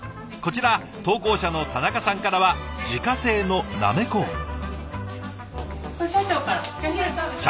こちら投稿者の田中さんからは自家製のなめこを。